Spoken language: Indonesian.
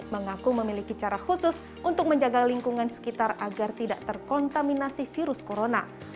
mengaku memiliki cara khusus untuk menjaga lingkungan sekitar agar tidak terkontaminasi virus corona